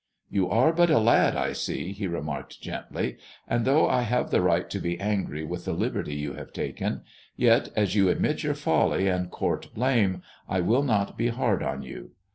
" You are but a lad, I see," he remarked gently, " and though I have the right to be angry with the liberty you have taken, yet, as you admit your folly and court blame, I will not be hard on you.